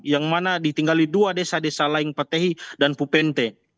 yang mana ditinggali dua desa desa lain patehi dan pupente